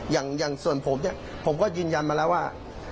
อย่างส่วนผมเนี่ยผมก็ยืนยันมาแล้วว่า